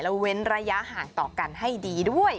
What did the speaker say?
เว้นระยะห่างต่อกันให้ดีด้วย